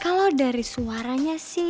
kalo dari suaranya sih